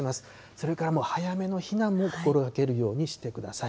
それから、早めの避難も心がけるようにしてください。